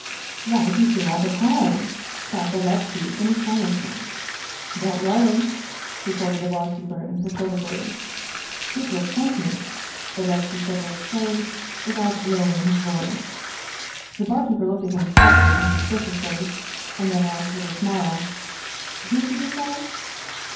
" Why, he's here all the time," cried Bodlevski, in aston ishment. " Don't know him," retorted the barkeeper imperturb ably. 187 Russian Mystery Stories "( Secret ' sent me !" Bodlevski suddenly exclaimed, without lowering his voice. The barkeeper looked at him sharply and suspiciously, and then asked, with a smile: "Who did you say?"